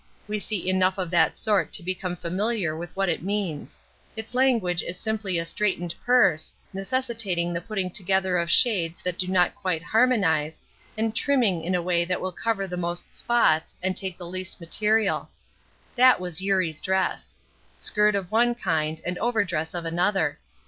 We see enough of that sort to become familiar with what it means. Its language is simply a straightened purse, necessitating the putting together of shades that do not quite harmonize, and trimming in a way that will cover the most spots and take the least material. That was Eurie's dress. Skirt of one kind and overdress of another.